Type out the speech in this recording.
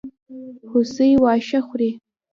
هوسۍ واښه خوري.